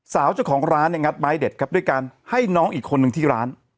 สาวเจ้าของร้านเนี่ยงัดไม้เด็ดครับด้วยการให้น้องอีกคนนึงที่ร้าน